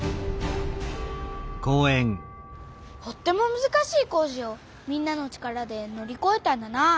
とってもむずかしい工事をみんなの力でのりこえたんだなあ。